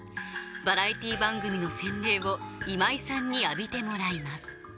バラエティー番組の洗礼を今井さんに浴びてもらいます